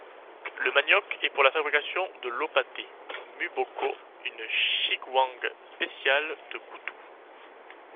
Le manioc est pour la fabrication de Lopaté, Muboko une chikwangue spécial de Kutu.